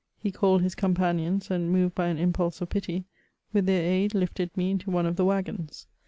He called his companions, and, moved by an impulse of pity, with their aid lifted me into one of the waggons.